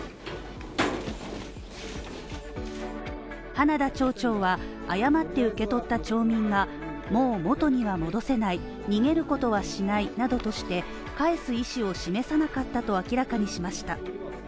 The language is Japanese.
花田町長は誤って受け取った町民がもう元には戻せない逃げることはしないなどとして、返す意思を示さなかったと明らかにしました。